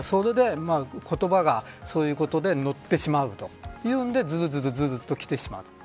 言葉がそういうことでのってしまうというのでずるずるときてしまっている。